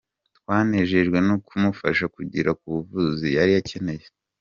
Twanejejwe no kumufasha kugera ku buvuzi yari akeneye”.